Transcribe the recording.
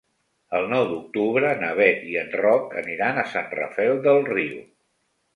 El nou d'octubre na Beth i en Roc aniran a Sant Rafel del Riu.